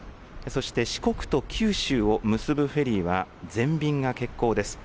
そして四国と九州を結ぶフェリーは全便が欠航です。